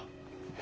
え